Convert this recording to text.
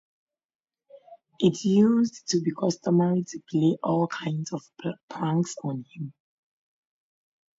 It used to be customary to play all kinds of pranks on him.